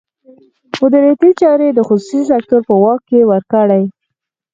مدیریتي چارې د خصوصي سکتور په واک کې ورکړي.